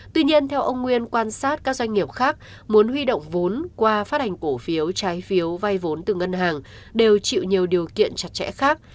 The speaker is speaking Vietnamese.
tuy nhiên theo ông nguyên quan sát các doanh nghiệp khác muốn huy động vốn qua phát hành cổ phiếu trái phiếu vay vốn từ ngân hàng đều chịu nhiều điều kiện chặt chẽ khác